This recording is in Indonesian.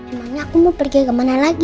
emangnya aku mau pergi ke mana lagi